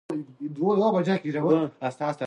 په نثر کي ګرامري او منطقي ارتباط ساتل کېږي.